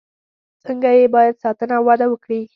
څنګه یې باید ساتنه او وده وکړي.